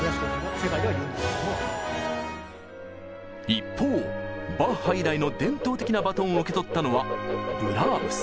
一方バッハ以来の伝統的なバトンを受け取ったのはブラームス。